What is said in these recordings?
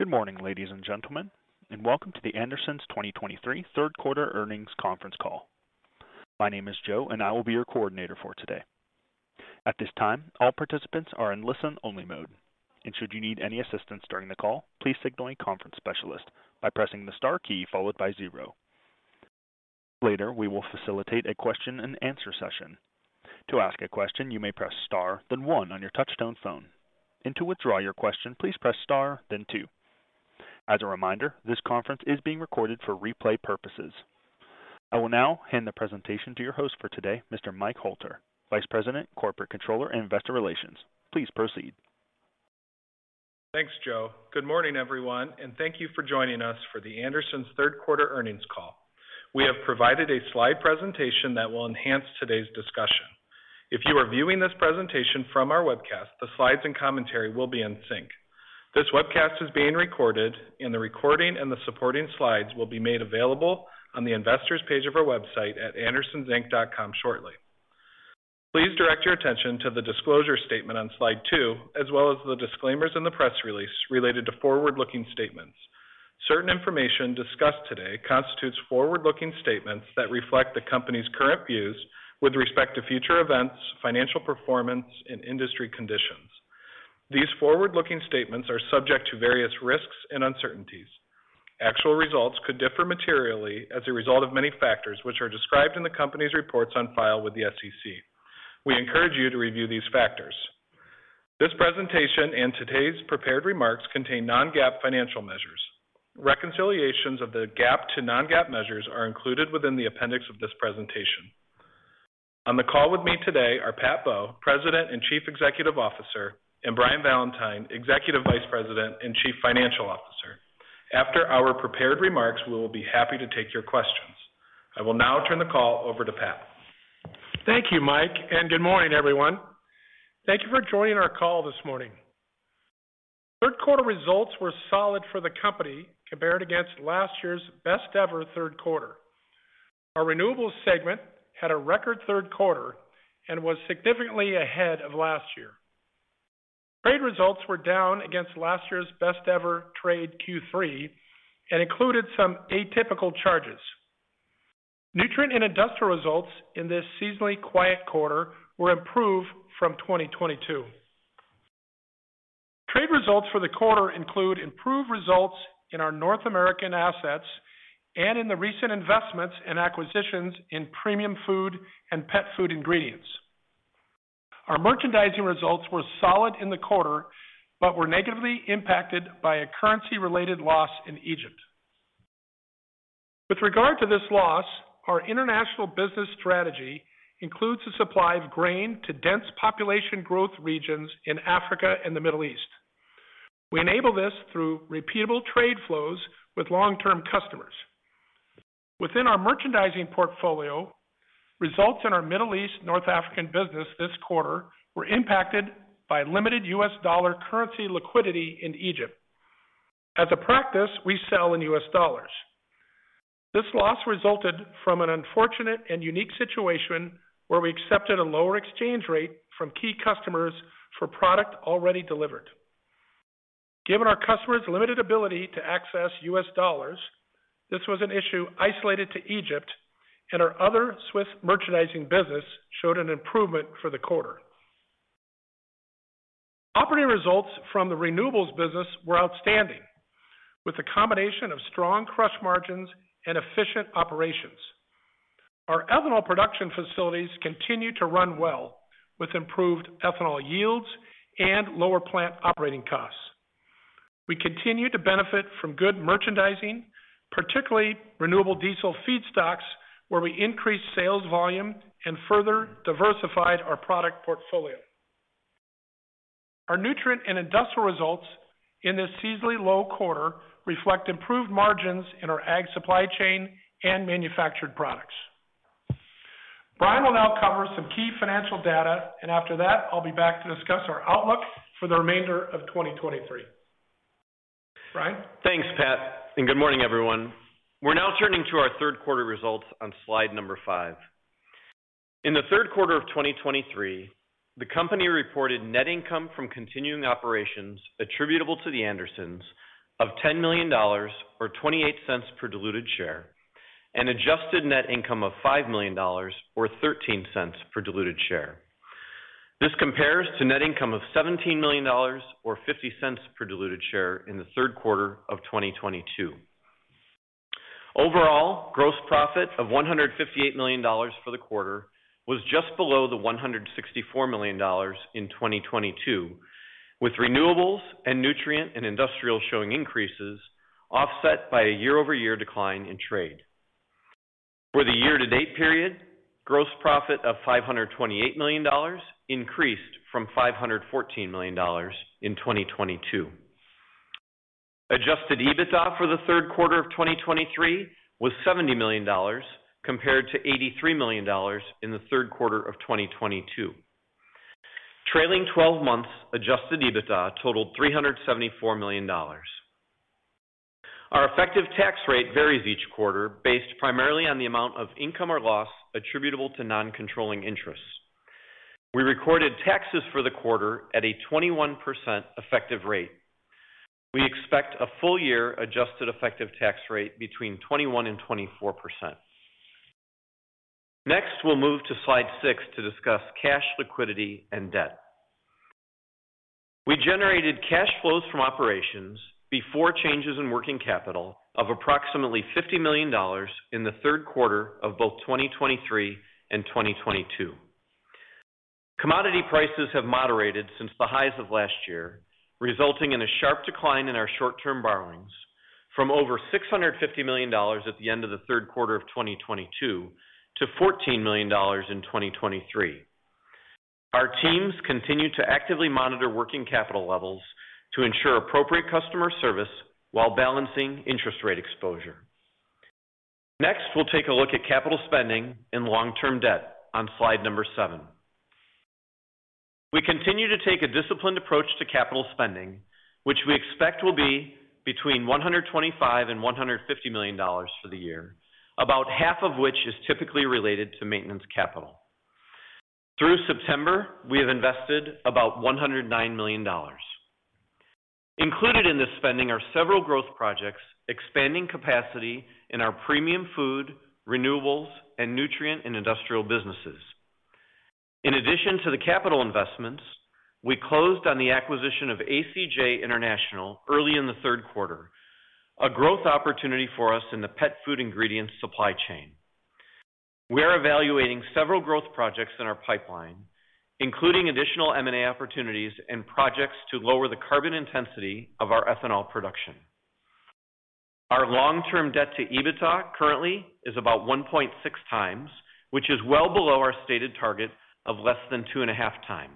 Good morning, ladies and gentlemen, and welcome to The Andersons 2023 Third Quarter Earnings Conference Call. My name is Joe, and I will be your coordinator for today. At this time, all participants are in listen-only mode, and should you need any assistance during the call, please signal a conference specialist by pressing the star key followed by zero. Later, we will facilitate a question-and-answer session. To ask a question, you may press star, then one on your touchtone phone, and to withdraw your question, please press star, then two. As a reminder, this conference is being recorded for replay purposes. I will now hand the presentation to your host for today, Mr. Mike Hoelter, Vice President, Corporate Controller, and Investor Relations. Please proceed. Thanks, Joe. Good morning, everyone, and thank you for joining us for The Andersons' Third Quarter Earnings Call. We have provided a slide presentation that will enhance today's discussion. If you are viewing this presentation from our webcast, the slides and commentary will be in sync. This webcast is being recorded, and the recording and the supporting slides will be made available on the Investors page of our website at andersonsinc.com shortly. Please direct your attention to the Disclosure Statement on slide two, as well as the disclaimers in the press release related to forward-looking statements. Certain information discussed today constitutes forward-looking statements that reflect the company's current views with respect to future events, financial performance, and industry conditions. These forward-looking statements are subject to various risks and uncertainties. Actual results could differ materially as a result of many factors, which are described in the company's reports on file with the SEC. We encourage you to review these factors. This presentation and today's prepared remarks contain non-GAAP financial measures. Reconciliations of the GAAP to non-GAAP measures are included within the appendix of this presentation. On the call with me today are Pat Bowe, President and Chief Executive Officer, and Brian Valentine, Executive Vice President and Chief Financial Officer. After our prepared remarks, we will be happy to take your questions. I will now turn the call over to Pat. Thank you, Mike, and good morning, everyone. Thank you for joining our call this morning. Third quarter results were solid for the company compared against last year's best-ever third quarter. Our Renewables segment had a record third quarter and was significantly ahead of last year. Trade results were down against last year's best-ever trade Q3 and included some atypical charges. Nutrient and industrial results in this seasonally quiet quarter were improved from 2022. Trade results for the quarter include improved results in our North American assets and in the recent investments and acquisitions in premium food and pet food ingredients. Our merchandising results were solid in the quarter, but were negatively impacted by a currency-related loss in Egypt. With regard to this loss, our international business strategy includes the supply of grain to dense population growth regions in Africa and the Middle East. We enable this through repeatable trade flows with long-term customers. Within our merchandising portfolio, results in our Middle East, North African business this quarter were impacted by limited U.S. dollar currency liquidity in Egypt. As a practice, we sell in U.S. dollars. This loss resulted from an unfortunate and unique situation where we accepted a lower exchange rate from key customers for product already delivered. Given our customers' limited ability to access U.S. dollars, this was an issue isolated to Egypt, and our other Swiss merchandising business showed an improvement for the quarter. Operating results from the renewables business were outstanding, with a combination of strong crush margins and efficient operations. Our ethanol production facilities continue to run well, with improved ethanol yields and lower plant operating costs. We continue to benefit from good merchandising, particularly renewable diesel feedstocks, where we increased sales volume and further diversified our product portfolio. Our nutrient and industrial results in this seasonally low quarter reflect improved margins in our Ag Supply Chain and manufactured products. Brian will now cover some key financial data, and after that, I'll be back to discuss our outlook for the remainder of 2023. Brian? Thanks, Pat, and good morning, everyone. We're now turning to our third quarter results on slide five. In the third quarter of 2023, the company reported net income from continuing operations attributable to The Andersons of $10 million or $0.28 per diluted share, and adjusted net income of $5 million or $0.13 per diluted share. This compares to net income of $17 million or $0.50 per diluted share in the third quarter of 2022. Overall, gross profit of $158 million for the quarter was just below the $164 million in 2022, with renewables and nutrient and industrial showing increases, offset by a year-over-year decline in trade. For the year-to-date period, gross profit of $528 million increased from $514 million in 2022. Adjusted EBITDA for the third quarter of 2023 was $70 million, compared to $83 million in the third quarter of 2022. Trailing-twelve-months adjusted EBITDA totaled $374 million. Our effective tax rate varies each quarter based primarily on the amount of income or loss attributable to non-controlling interests. We recorded taxes for the quarter at a 21% effective rate. We expect a full year adjusted effective tax rate between 21% and 24%. Next, we'll move to slide six to discuss cash liquidity and debt. We generated cash flows from operations before changes in working capital of approximately $50 million in the third quarter of both 2023 and 2022. Commodity prices have moderated since the highs of last year, resulting in a sharp decline in our short-term borrowings from over $650 million at the end of the third quarter of 2022 to $14 million in 2023. Our teams continue to actively monitor working capital levels to ensure appropriate customer service while balancing interest rate exposure. Next, we'll take a look at capital spending and long-term debt on slide number seven. We continue to take a disciplined approach to capital spending, which we expect will be between $125 million and $150 million for the year, about half of which is typically related to maintenance capital. Through September, we have invested about $109 million. Included in this spending are several growth projects, expanding capacity in our premium food, renewables, and nutrient and industrial businesses. In addition to the capital investments, we closed on the acquisition of ACJ International early in the third quarter, a growth opportunity for us in the pet food ingredients supply chain. We are evaluating several growth projects in our pipeline, including additional M&A opportunities and projects to lower the carbon intensity of our ethanol production. Our long-term debt to EBITDA currently is about 1.6x, which is well below our stated target of less than 2.5x.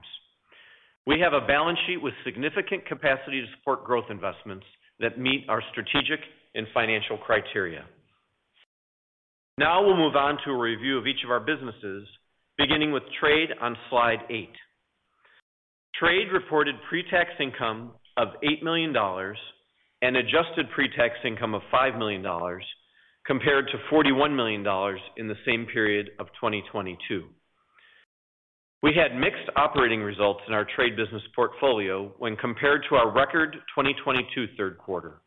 We have a balance sheet with significant capacity to support growth investments that meet our strategic and financial criteria. Now we'll move on to a review of each of our businesses, beginning with Trade on slide eight. Trade reported pretax income of $80 million and adjusted pretax income of $5 million, compared to $41 million in the same period of 2022. We had mixed operating results in our trade business portfolio when compared to our record 2022 third quarter.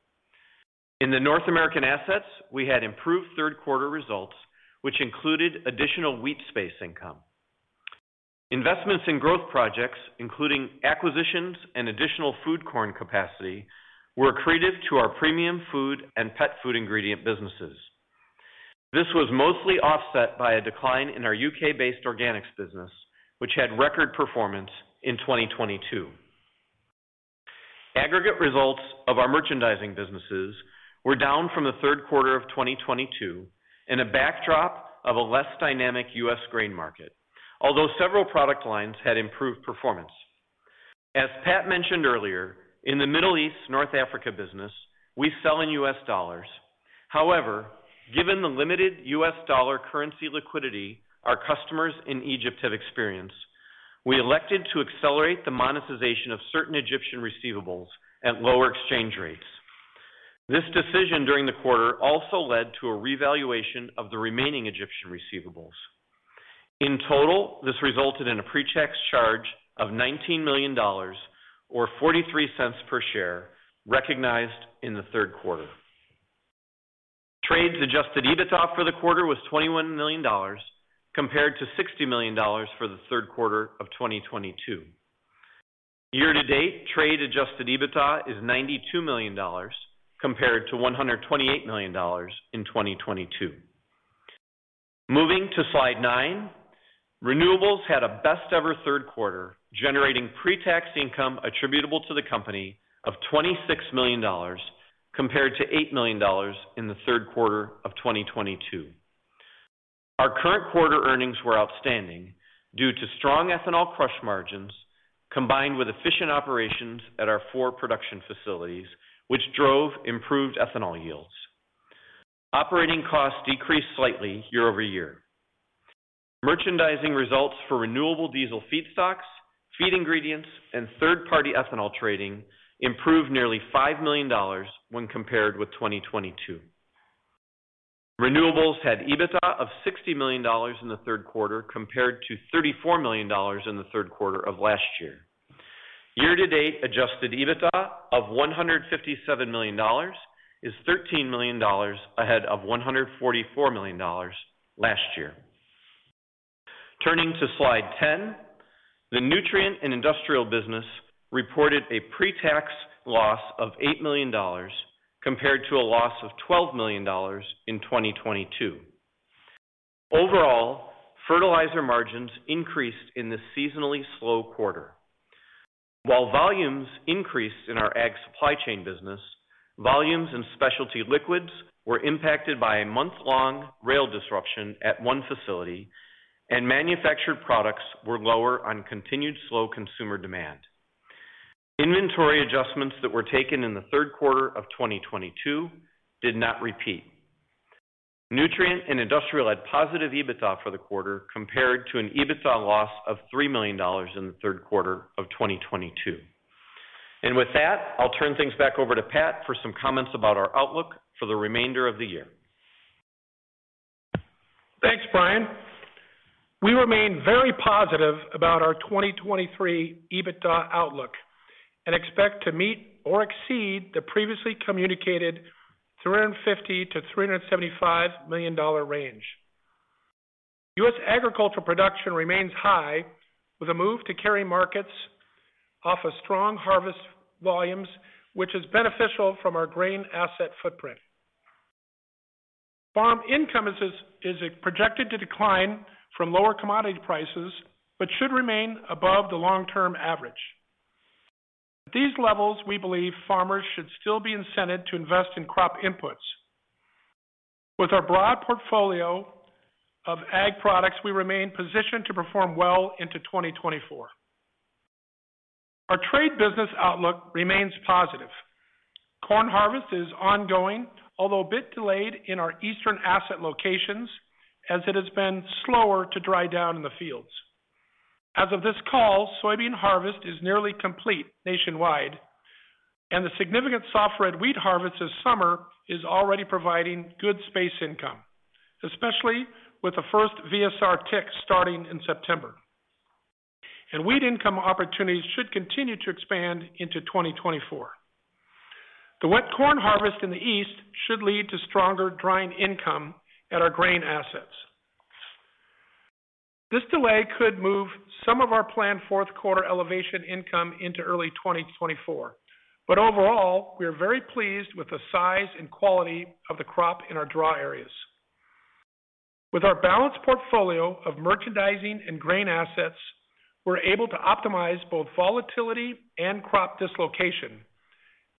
In the North American assets, we had improved third-quarter results, which included additional wheat space income. Investments in growth projects, including acquisitions and additional food corn capacity, were accretive to our premium food and pet food ingredient businesses. This was mostly offset by a decline in our U.K. based organics business, which had record performance in 2022. Aggregate results of our merchandising businesses were down from the third quarter of 2022 in a backdrop of a less dynamic U.S. grain market, although several product lines had improved performance. As Pat mentioned earlier, in the Middle East, North Africa business, we sell in U.S. dollars. However, given the limited U.S. dollar currency liquidity our customers in Egypt have experienced, we elected to accelerate the monetization of certain Egyptian receivables at lower exchange rates. This decision during the quarter also led to a revaluation of the remaining Egyptian receivables. In total, this resulted in a pretax charge of $19 million or 43 cents per share recognized in the third quarter. Trade's adjusted EBITDA for the quarter was $21 million, compared to $60 million for the third quarter of 2022. Year to date, Trade adjusted EBITDA is $92 million, compared to $128 million in 2022. Moving to slide nine. Renewables had a best ever third quarter, generating pretax income attributable to the company of $26 million, compared to $8 million in the third quarter of 2022. Our current quarter earnings were outstanding due to strong ethanol crush margins, combined with efficient operations at our four production facilities, which drove improved ethanol yields. Operating costs decreased slightly year-over-year. Merchandising results for renewable diesel feedstocks, feed ingredients, and third-party ethanol trading improved nearly $5 million when compared with 2022. Renewables had EBITDA of $60 million in the third quarter, compared to $34 million in the third quarter of last year. Year to date, adjusted EBITDA of $157 million is $13 million ahead of $144 million last year. Turning to slide 10, the nutrient and industrial business reported a pretax loss of $8 million, compared to a loss of $12 million in 2022. Overall, fertilizer margins increased in this seasonally slow quarter. While volumes increased in our Ag Supply Chain business, volumes and specialty liquids were impacted by a month-long rail disruption at one facility, and manufactured products were lower on continued slow consumer demand. Inventory adjustments that were taken in the third quarter of 2022 did not repeat. Nutrient and Industrial had positive EBITDA for the quarter, compared to an EBITDA loss of $3 million in the third quarter of 2022. And with that, I'll turn things back over to Pat for some comments about our outlook for the remainder of the year. Thanks, Brian. We remain very positive about our 2023 EBITDA outlook and expect to meet or exceed the previously communicated $350-$375 million range. U.S. agricultural production remains high, with a move to carry markets off of strong harvest volumes, which is beneficial from our grain asset footprint. Farm income is projected to decline from lower commodity prices, but should remain above the long-term average. At these levels, we believe farmers should still be incented to invest in crop inputs. With our broad portfolio of ag products, we remain positioned to perform well into 2024. Our trade business outlook remains positive. Corn harvest is ongoing, although a bit delayed in our eastern asset locations, as it has been slower to dry down in the fields. As of this call, soybean harvest is nearly complete nationwide, and the significant soft red wheat harvest this summer is already providing good space income, especially with the first VSR tick starting in September. Wheat income opportunities should continue to expand into 2024. The wet corn harvest in the east should lead to stronger drying income at our grain assets. This delay could move some of our planned fourth quarter elevation income into early 2024, but overall, we are very pleased with the size and quality of the crop in our dry areas. With our balanced portfolio of merchandising and grain assets, we're able to optimize both volatility and crop dislocation,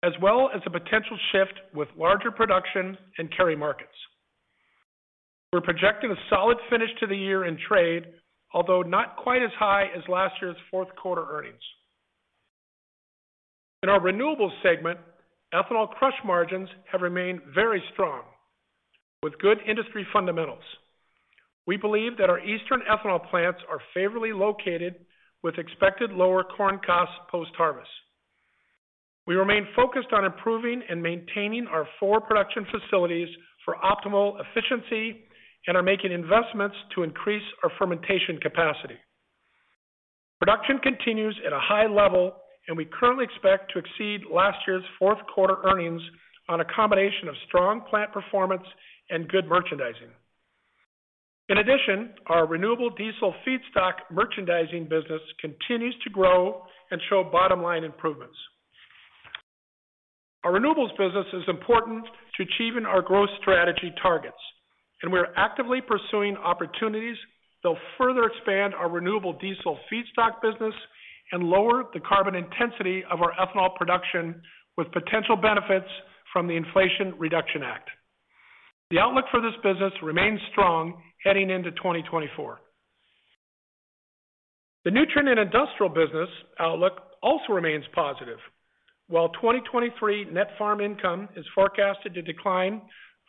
as well as the potential shift with larger production and carry markets. We're projecting a solid finish to the year in trade, although not quite as high as last year's fourth quarter earnings. In our renewables segment, ethanol crush margins have remained very strong with good industry fundamentals. We believe that our eastern ethanol plants are favorably located, with expected lower corn costs post-harvest. We remain focused on improving and maintaining our four production facilities for optimal efficiency and are making investments to increase our fermentation capacity. Production continues at a high level, and we currently expect to exceed last year's fourth quarter earnings on a combination of strong plant performance and good merchandising. In addition, our renewable diesel feedstock merchandising business continues to grow and show bottom-line improvements. Our renewables business is important to achieving our growth strategy targets, and we are actively pursuing opportunities that will further expand our renewable diesel feedstock business and lower the carbon intensity of our ethanol production with potential benefits from the Inflation Reduction Act. The outlook for this business remains strong heading into 2024. The nutrient and industrial business outlook also remains positive. While 2023 net farm income is forecasted to decline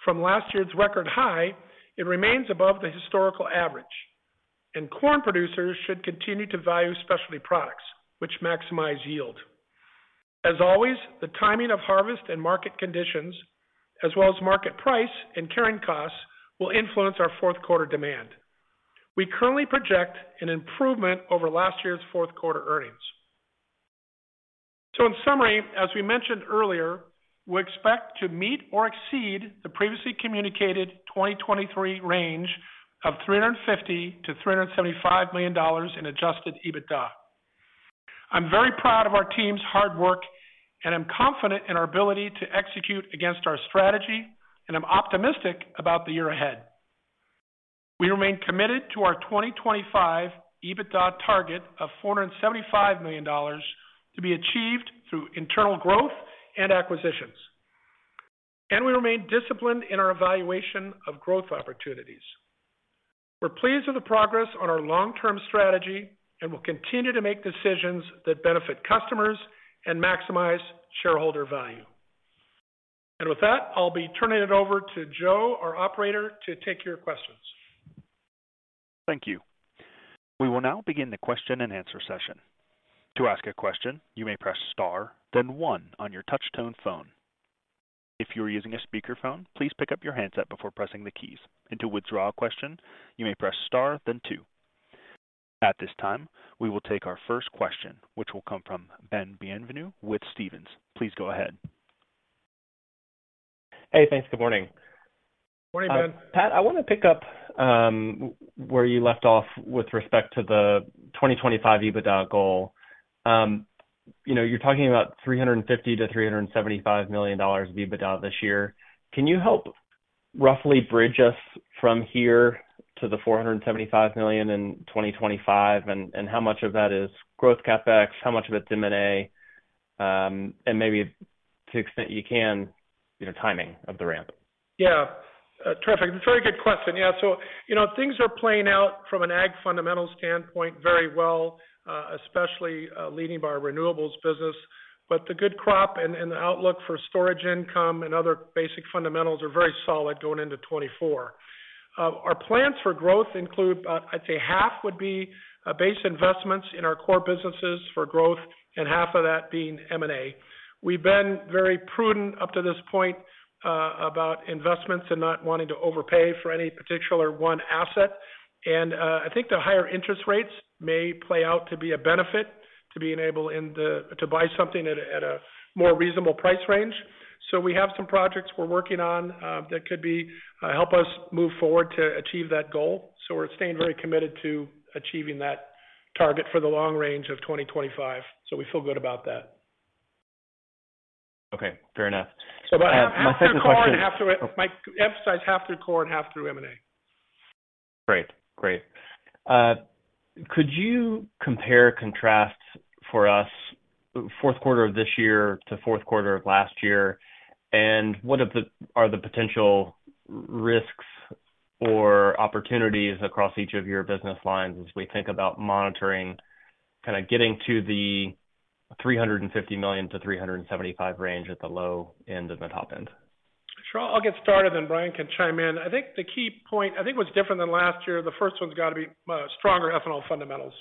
from last year's record high, it remains above the historical average, and corn producers should continue to value specialty products, which maximize yield. As always, the timing of harvest and market conditions, as well as market price and carrying costs, will influence our fourth quarter demand. We currently project an improvement over last year's fourth quarter earnings. So in summary, as we mentioned earlier, we expect to meet or exceed the previously communicated 2023 range of $350 million-$375 million in adjusted EBITDA. I'm very proud of our team's hard work, and I'm confident in our ability to execute against our strategy, and I'm optimistic about the year ahead. We remain committed to our 2025 EBITDA target of $475 million, to be achieved through internal growth and acquisitions. We remain disciplined in our evaluation of growth opportunities. We're pleased with the progress on our long-term strategy and will continue to make decisions that benefit customers and maximize shareholder value. With that, I'll be turning it over to Joe, our operator, to take your questions. Thank you. We will now begin the question-and-answer session. To ask a question, you may press star, then one on your touch tone phone. If you are using a speakerphone, please pick up your handset before pressing the keys. To withdraw a question, you may press star, then two. At this time, we will take our first question, which will come from Ben Bienvenu with Stephens. Please go ahead. Hey, thanks. Good morning. Morning, Ben. Pat, I want to pick up where you left off with respect to the 2025 EBITDA goal. You know, you're talking about $350 million-$375 million of EBITDA this year. Can you help roughly bridge us from here to the $475 million in 2025? And how much of that is growth CapEx? How much of it is M&A? And maybe to the extent you can, the timing of the ramp. Yeah, terrific. It's a very good question. Yeah. So, you know, things are playing out from an ag fundamentals standpoint very well, especially, leading by our renewables business. But the good crop and the outlook for storage income and other basic fundamentals are very solid going into 2024. Our plans for growth include, I'd say half would be base investments in our core businesses for growth, and half of that being M&A. We've been very prudent up to this point, about investments and not wanting to overpay for any particular one asset. And, I think the higher interest rates may play out to be a benefit to being able to buy something at a more reasonable price range. So we have some projects we're working on, that could be help us move forward to achieve that goal. We're staying very committed to achieving that target for the long range of 2025. We feel good about that. Okay, fair enough. So about- My second question- Half through core, and half through it. My emphasize half through core and half through M&A. Great. Great. Could you compare, contrast for us, fourth quarter of this year to fourth quarter of last year? And what are the potential risks or opportunities across each of your business lines as we think about monitoring, kind of getting to the $300 million-$375 million range at the low end and the top end? Sure. I'll get started, then Brian can chime in. I think the key point, I think what's different than last year, the first one's got to be, stronger ethanol fundamentals.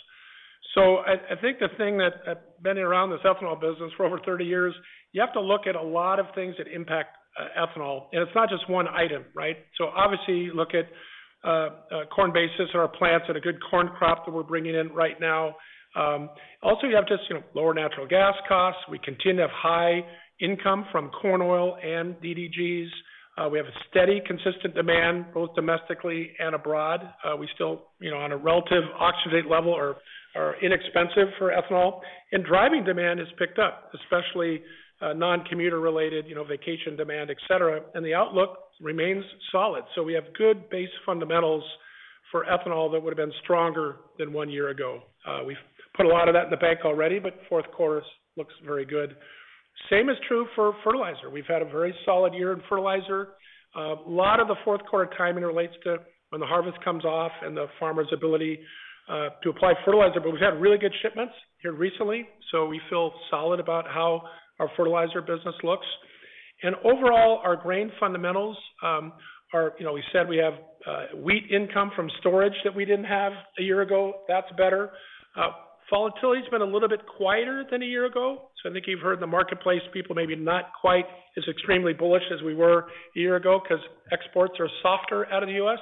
So I think the thing that, I've been around this ethanol business for over 30 years, you have to look at a lot of things that impact, ethanol, and it's not just one item, right? So obviously, you look at, corn basis or our plants at a good corn crop that we're bringing in right now. Also, you have just, you know, lower natural gas costs. We continue to have high income from corn oil and DDGs. We have a steady, consistent demand, both domestically and abroad. We still, you know, on a relative oxygenate level, are inexpensive for ethanol. Driving demand has picked up, especially, non-commuter-related, you know, vacation demand, et cetera, and the outlook remains solid. So we have good base fundamentals for ethanol that would have been stronger than one year ago. We've put a lot of that in the bank already, but fourth quarter looks very good. Same is true for fertilizer. We've had a very solid year in fertilizer. A lot of the fourth quarter timing relates to when the harvest comes off and the farmer's ability to apply fertilizer, but we've had really good shipments here recently, so we feel solid about how our fertilizer business looks. And overall, our grain fundamentals are, you know, we said we have wheat income from storage that we didn't have a year ago. That's better. Volatility's been a little bit quieter than a year ago, so I think you've heard the marketplace, people maybe not quite as extremely bullish as we were a year ago because exports are softer out of the U.S.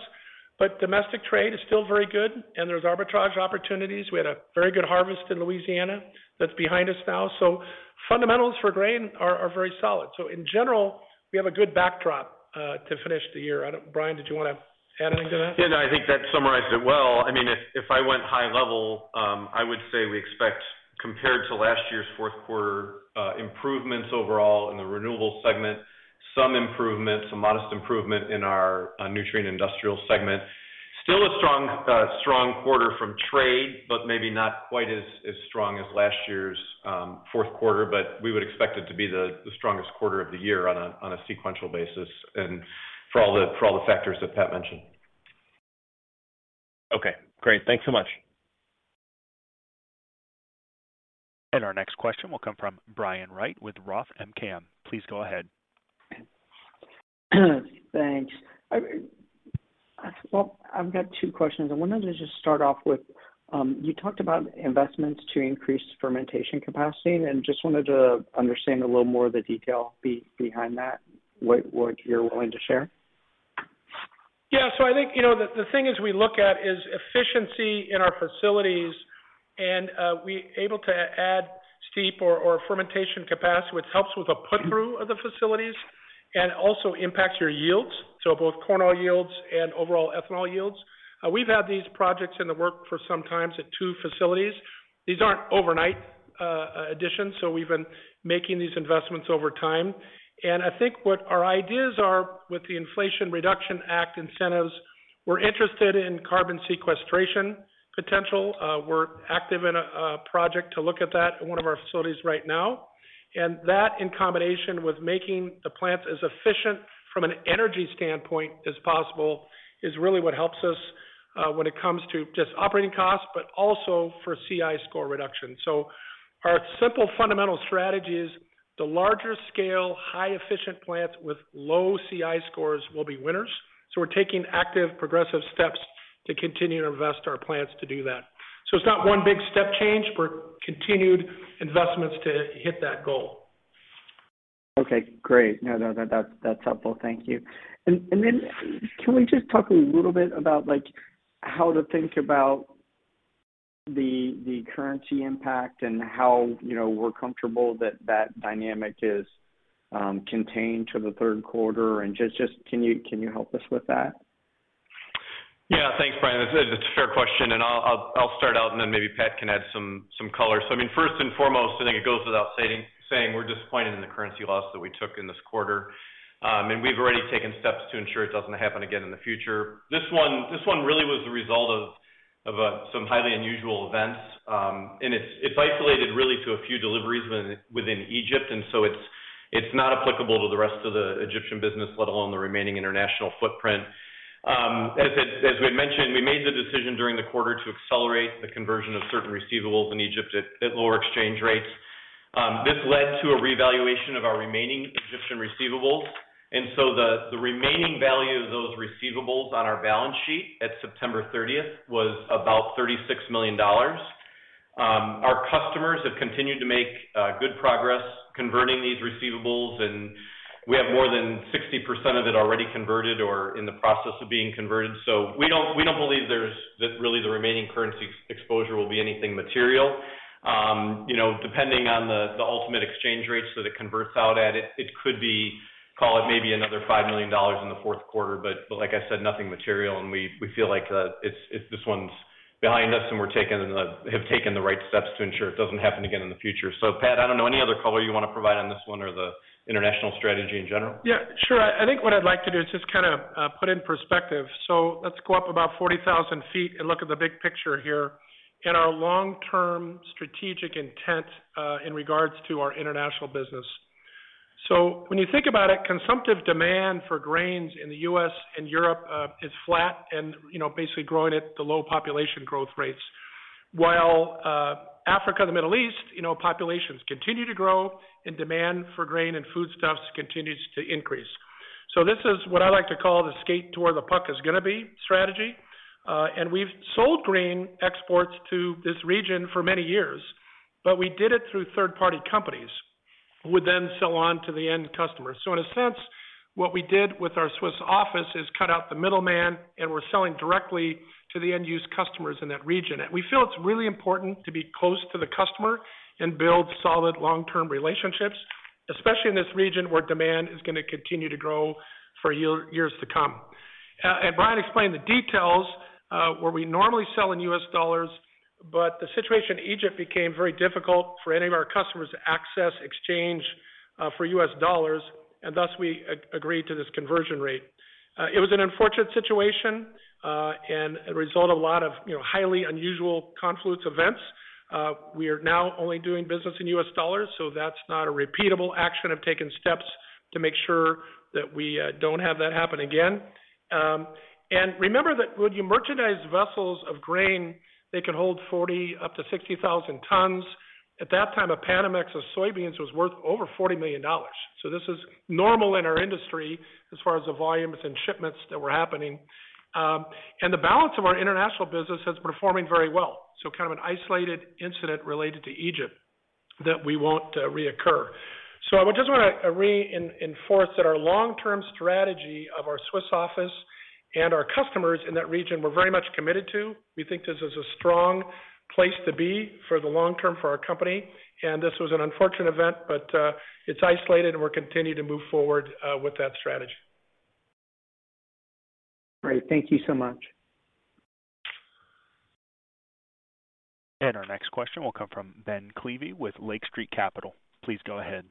But domestic trade is still very good, and there's arbitrage opportunities. We had a very good harvest in Louisiana that's behind us now. So fundamentals for grain are very solid. So in general, we have a good backdrop to finish the year. I don't. Brian, did you want to add anything to that? Yeah, no, I think that summarized it well. I mean, if I went high level, I would say we expect, compared to last year's fourth quarter, improvements overall in the renewable segment, some improvement, some modest improvement in our nutrient industrial segment. Still a strong strong quarter from trade, but maybe not quite as strong as last year's fourth quarter, but we would expect it to be the strongest quarter of the year on a sequential basis, and for all the factors that Pat mentioned. Okay, great. Thanks so much. Our next question will come from Brian Wright with Roth MKM. Please go ahead. Thanks. Well, I've got two questions. I wanted to just start off with, you talked about investments to increase fermentation capacity, and just wanted to understand a little more of the detail behind that, what you're willing to share. Yeah, so I think, you know, the thing is we look at is efficiency in our facilities, and we able to add steep or fermentation capacity, which helps with the put-through of the facilities and also impacts your yields, so both corn oil yields and overall ethanol yields. We've had these projects in the work for some times at two facilities. These aren't overnight additions, so we've been making these investments over time. And I think what our ideas are with the Inflation Reduction Act incentives, we're interested in carbon sequestration potential. We're active in a project to look at that in one of our facilities right now. And that, in combination with making the plants as efficient from an energy standpoint as possible, is really what helps us when it comes to just operating costs, but also for CI score reduction. Our simple fundamental strategy is the larger scale, high efficient plants with low CI scores will be winners. We're taking active, progressive steps to continue to invest in our plants to do that. It's not one big step change, but continued investments to hit that goal. Okay, great. No, that's helpful. Thank you. And then can we just talk a little bit about, like, how to think about the currency impact and how, you know, we're comfortable that that dynamic is contained to the third quarter? And just, can you help us with that? Yeah. Thanks, Brian. It's a fair question, and I'll start out and then maybe Pat can add some color. So I mean, first and foremost, I think it goes without saying we're disappointed in the currency loss that we took in this quarter. We've already taken steps to ensure it doesn't happen again in the future. This one really was the result of some highly unusual events. It's isolated really to a few deliveries within Egypt, and so it's not applicable to the rest of the Egyptian business, let alone the remaining international footprint. As we had mentioned, we made the decision during the quarter to accelerate the conversion of certain receivables in Egypt at lower exchange rates. This led to a reevaluation of our remaining Egyptian receivables. The remaining value of those receivables on our balance sheet at September 30 was about $36 million. Our customers have continued to make good progress converting these receivables, and we have more than 60% of it already converted or in the process of being converted. So we don't believe that really the remaining currency exposure will be anything material. You know, depending on the ultimate exchange rates that it converts out at, it could be, call it maybe another $5 million in the fourth quarter, but like I said, nothing material, and we feel like it's this one's behind us and we have taken the right steps to ensure it doesn't happen again in the future. Pat, I don't know, any other color you want to provide on this one or the international strategy in general? Yeah, sure. I think what I'd like to do is just kind of put it in perspective. So let's go up about 40,000 feet and look at the big picture here and our long-term strategic intent in regards to our international business. So when you think about it, consumptive demand for grains in the U.S. and Europe is flat and, you know, basically growing at the low population growth rates. While Africa, the Middle East, you know, populations continue to grow and demand for grain and food stuffs continues to increase. So this is what I like to call the skate to where the puck is gonna be strategy. And we've sold grain exports to this region for many years, but we did it through third-party companies, who would then sell on to the end customer. So in a sense, what we did with our Swiss office is cut out the middleman, and we're selling directly to the end-use customers in that region. And we feel it's really important to be close to the customer and build solid long-term relationships, especially in this region, where demand is gonna continue to grow for years to come. And Brian explained the details, where we normally sell in U.S. dollars, but the situation in Egypt became very difficult for any of our customers to access, exchange, for U.S. dollars, and thus we agreed to this conversion rate. It was an unfortunate situation, and a result of a lot of, you know, highly unusual confluence events. We are now only doing business in U.S. dollars, so that's not a repeatable action. I've taken steps to make sure that we don't have that happen again. And remember that when you merchandise vessels of grain, they can hold 40 up to 60,000 tons. At that time, a Panamax of soybeans was worth over $40 million. So this is normal in our industry as far as the volumes and shipments that were happening. And the balance of our international business is performing very well, so kind of an isolated incident related to Egypt that we won't reoccur. So I just wanna reinforce that our long-term strategy of our Swiss office and our customers in that region, we're very much committed to. We think this is a strong place to be for the long term for our company, and this was an unfortunate event, but it's isolated, and we're continuing to move forward with that strategy. Great. Thank you so much. And our next question will come from Ben Klieve with Lake Street Capital. Please go ahead.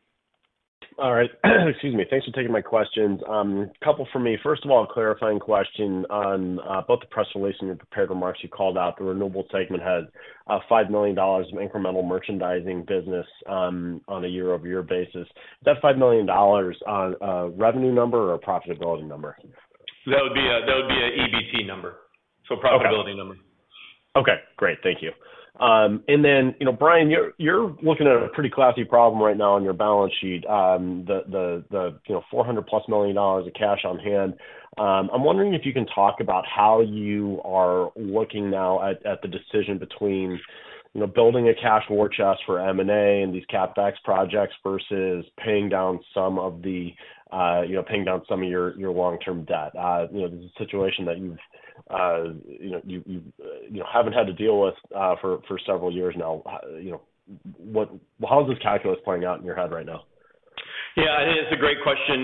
All right. Excuse me. Thanks for taking my questions. A couple for me. First of all, a clarifying question on both the press release and the prepared remarks you called out. The renewable segment had $5 million of incremental merchandising business on a year-over-year basis. Is that $5 million on a revenue number or a profitability number? That would be an EBT number. Okay. So profitability number. Okay, great. Thank you. And then, you know, Brian, you're looking at a pretty classy problem right now on your balance sheet. You know, $400+ million of cash on hand. I'm wondering if you can talk about how you are looking now at the decision between, you know, building a cash war chest for M&A and these CapEx projects versus paying down some of the, you know, paying down some of your long-term debt. You know, this is a situation that you've, you know, haven't had to deal with for several years now. You know, what—how is this calculus playing out in your head right now? Yeah, it's a great question.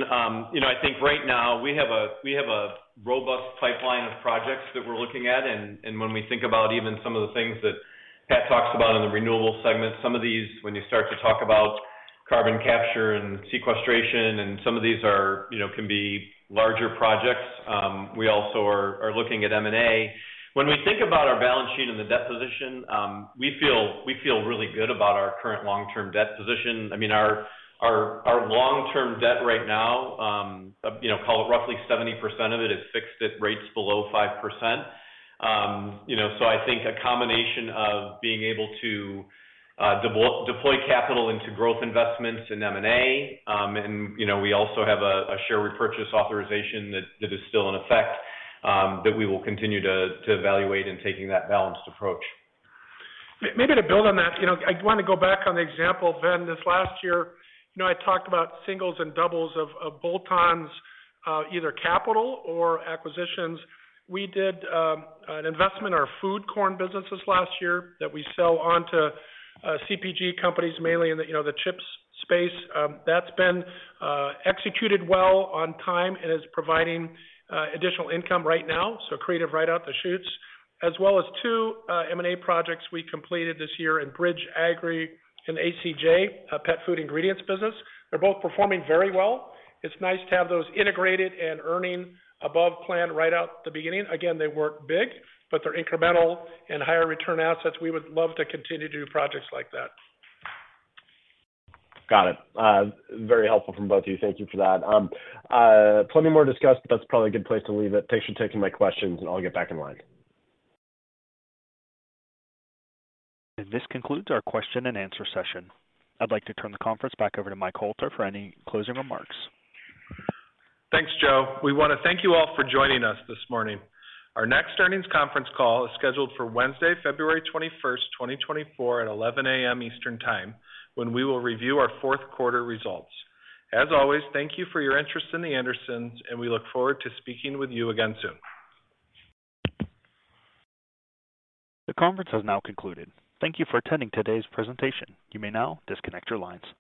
You know, I think right now we have a robust pipeline of projects that we're looking at, and when we think about even some of the things that Pat talks about in the renewable segment, some of these, when you start to talk about carbon capture and sequestration, and some of these are, you know, can be larger projects, we also are looking at M&A. When we think about our balance sheet and the debt position, we feel really good about our current long-term debt position. I mean, our long-term debt right now, you know, call it roughly 70% of it is fixed at rates below 5%. You know, so I think a combination of being able to deploy capital into growth investments in M&A, and, you know, we also have a share repurchase authorization that is still in effect, that we will continue to evaluate in taking that balanced approach. Maybe to build on that, you know, I want to go back on the example, Ben, this last year. You know, I talked about singles and doubles of bolt-ons, either capital or acquisitions. We did an investment in our food corn businesses last year that we sell on to CPG companies, mainly in the, you know, the chips space. That's been executed well on time and is providing additional income right now, so great right out the chutes. As well as two M&A projects we completed this year in Bridge Agri and ACJ, a pet food ingredients business. They're both performing very well. It's nice to have those integrated and earning above plan right out the beginning. Again, they weren't big, but they're incremental and higher return assets. We would love to continue to do projects like that. Got it. Very helpful from both of you. Thank you for that. Plenty more to discuss, but that's probably a good place to leave it. Thanks for taking my questions, and I'll get back in line. This concludes our question and answer session. I'd like to turn the conference back over to Mike Hoelter for any closing remarks. Thanks, Joe. We want to thank you all for joining us this morning. Our next earnings conference call is scheduled for Wednesday, February 21, 2024, at 11:00 a.m. Eastern Time, when we will review our fourth quarter results. As always, thank you for your interest in The Andersons, and we look forward to speaking with you again soon. The conference has now concluded. Thank you for attending today's presentation. You may now disconnect your lines.